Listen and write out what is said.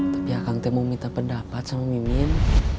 tapi akang teh mau minta pendapat sama mimin